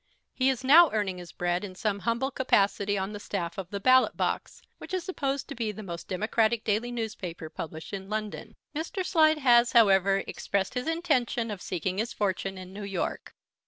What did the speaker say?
He is now earning his bread in some humble capacity on the staff of The Ballot Box, which is supposed to be the most democratic daily newspaper published in London. Mr. Slide has, however, expressed his intention of seeking his fortune in New York.